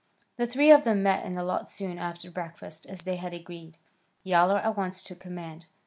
The three of them met in the lot soon after breakfast, as they had agreed. Yowler at once took command.